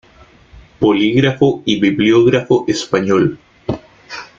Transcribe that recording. Polígrafo y bibliógrafo español.